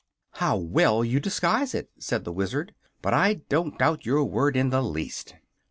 "How well you disguise it," said the Wizard. "But I don't doubt your word in the least."